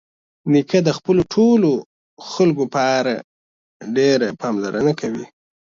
نیکه د خپلو ټولو خلکو په اړه ډېره پاملرنه کوي.